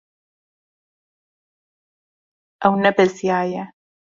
Ew nebeziyaye.